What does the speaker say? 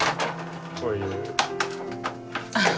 こういう。